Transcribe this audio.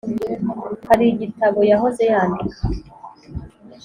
Hari igitabo yahoze yandika.